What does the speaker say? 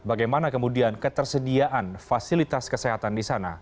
bagaimana kemudian ketersediaan fasilitas kesehatan di sana